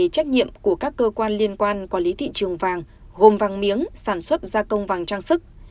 các cơ quan liên quan quản lý thị trường vàng hồn vàng miếng sản xuất gia công vàng trang sức